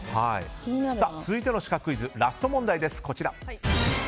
続いてのシカクイズラスト問題です。